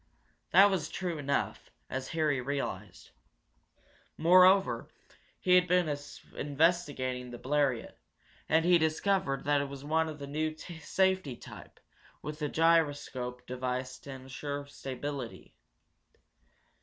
That was true enough, as Harry realized. Moreover, he had been investigating the Bleriot, and he discovered that it was one of the new safety type, with a gyroscope device to insure stability.